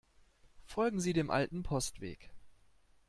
Folgen Sie dem alten Postweg.